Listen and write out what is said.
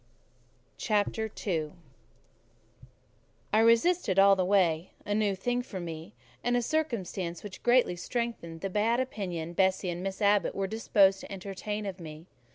CHAPTER II I resisted all the way: a new thing for me, and a circumstance which greatly strengthened the bad opinion Bessie and Miss Abbot were disposed to entertain of me.